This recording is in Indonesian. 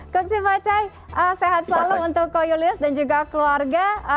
kongsi macai sehat selalu untuk ko yulius dan juga keluarga